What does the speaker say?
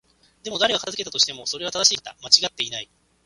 でも、誰が片付けたとしても、それは正しいことだった。間違っていない。